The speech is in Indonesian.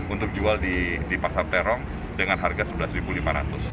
untuk jual di pasar terong dengan harga rp sebelas lima ratus